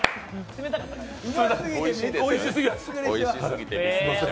おいしすぎます。